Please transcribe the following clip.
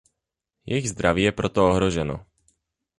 Jejich zdraví je proto ohroženo.